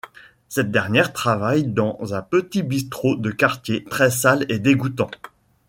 Cette dernière travaille dans un petit bistrot de quartier très sale et dégoutant.